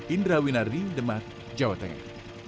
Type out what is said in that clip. indra winardi demak jawa tengah